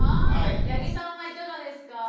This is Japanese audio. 八木さんはいかがですか？